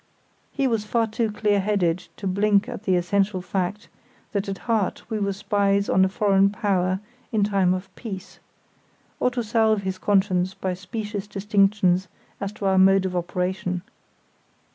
He was far too clear headed to blink at the essential fact that at heart we were spies on a foreign power in time of peace, or to salve his conscience by specious distinctions as to our mode of operation.